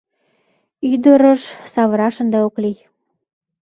Ӱдырыш савыраш ынде ок лий.